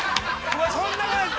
そんなことない。